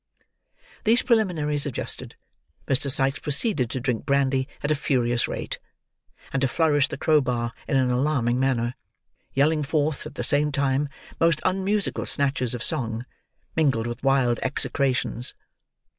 These preliminaries adjusted, Mr. Sikes proceeded to drink brandy at a furious rate, and to flourish the crowbar in an alarming manner; yelling forth, at the same time, most unmusical snatches of song, mingled with wild execrations.